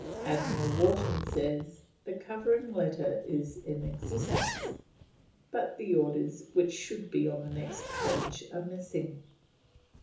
Admiral Wharton says the covering letter is in existence, but the orders which should be on the next page are missing.